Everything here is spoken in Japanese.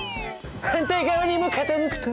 反対側にも傾くと。